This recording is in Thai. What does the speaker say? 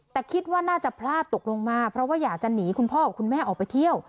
แต่คิดว่าน่าจะพลาดตกลงมาเพราะว่าอยากจะหนีคุณพ่อกับคุณแม่ออกไปเที่ยว